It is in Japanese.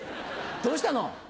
どうしたの？